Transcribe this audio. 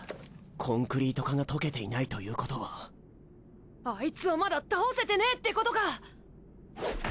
コンクリート化が解けていないということはアイツはまだ倒せてねーってことか！？